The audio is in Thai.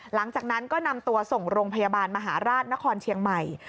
หลังจากนั้นก็นำตัวส่งโรงพยาบาลมหาราชนครเชียงใหม่